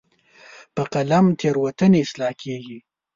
په قلم تیروتنې اصلاح کېږي.